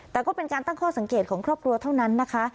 แต่ก็เป็นการตั้งข้อสังเกตของครอบครัวเท่านั้นนะคะ